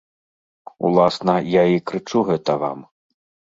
Уласна, я і крычу гэта вам.